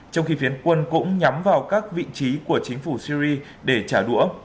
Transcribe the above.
trong khi phiến quân cũng nhắm vào các vị trí của chính phủ syri để trả đũa